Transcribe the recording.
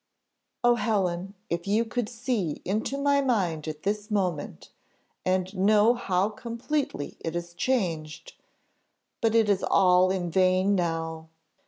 Oh! Helen! if you could see into my mind at this moment, and know how completely it is changed; but it is all in vain now!